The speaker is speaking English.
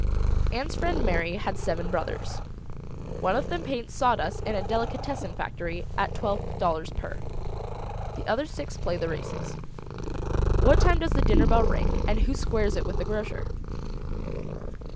Ann's friend Mary has seven brothers. One of them paints sawdust in a delicatessen factory at twelve dollars per. The other six play the races. What time does the dinner bell ring and who squares it with the grocer?